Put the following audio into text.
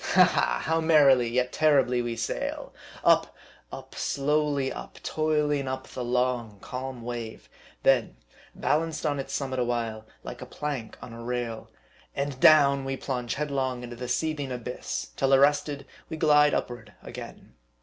Ha ! ha ! how merrily, yet terribly, we sail ! Up, up slowly up toiling up the long, calm wave ; then balanced on its summit a while, like a plank on a rail ; and down, we plunge headlong into the seething abyss, till ar rested, we glide upward again.